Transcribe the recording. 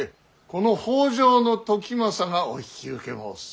この北条時政がお引き受け申す。